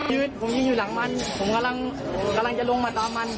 ยืนผมยืนอยู่หลังมันผมกำลังจะลงมาตามมัน